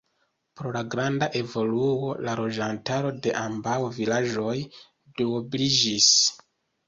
Pro la granda evoluo la loĝantaro de ambaŭ vilaĝoj duobliĝis.